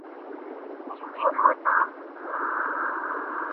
لښکر د سورلنډیو به تر ګوره پوري تښتي،